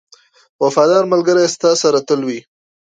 • وفادار ملګری ستا سره تل وي.